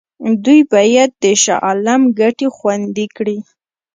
دوی باید د شاه عالم ګټې خوندي کړي.